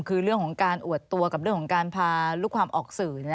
คือเรื่องของการอวดตัวกับเรื่องของการพาลูกความออกสื่อ